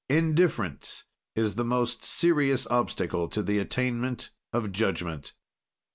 Indifference is the most serious obstacle to the attainment of judgment.